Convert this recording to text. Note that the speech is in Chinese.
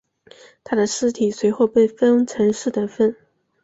他的尸体随后被分成四等分。